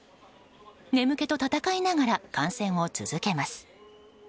眠気と闘いながら観戦を続けます。